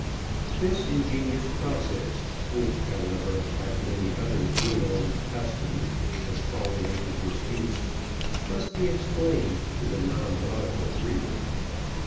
This ingenious process, which, however, like many other good old customs, has fallen into disuse, must be explained to the non nautical reader.